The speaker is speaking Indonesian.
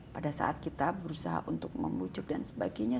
pada saat kita berusaha untuk membujuk dan sebagainya